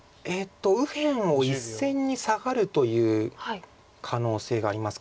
右辺を１線にサガるという可能性がありますか。